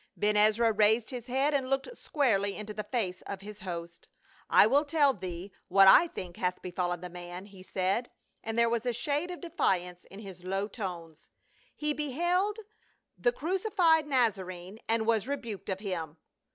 '" Ben Ezra raised his head and looked squarely into the face of his host. " I will tell thee what I think hath befallen the man," he said, and there was a shade of defiance in his low tones. " He beheld the cruci fied Nazarene and was rebuked of him."